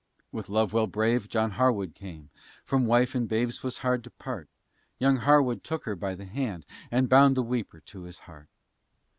With Lovewell brave, John Harwood came; From wife and babes 'twas hard to part, Young Harwood took her by the hand, And bound the weeper to his heart.